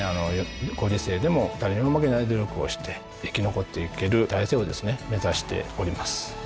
ご時世でも誰にも負けない努力をして生き残っていける体制をですね目指しております。